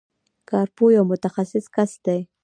کارپوه یو متخصص کس دی.